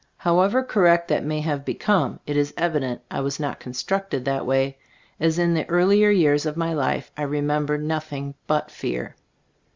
However correct that may have be come, it is evident I was not con structed that way, as in the earlier 16 Gbe Stot£ ot Ab CbtlDboofc years of my life I remember nothing but fear.